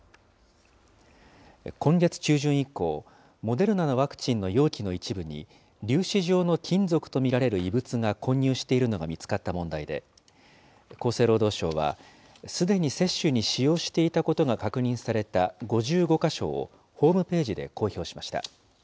今月中旬以降、モデルナのワクチンの容器の一部に、粒子状の金属と見られる異物が混入しているのが見つかった問題で、厚生労働省は、すでに接種に使用していたことが確認された５５か所をホームページで公表しました。